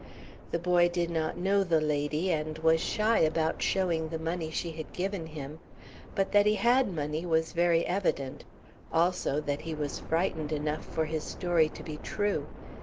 The boy did not know the lady, and was shy about showing the money she had given him, but that he had money was very evident, also, that he was frightened enough for his story to be true.